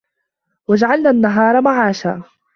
وَجَعَلنَا النَّهارَ مَعاشًا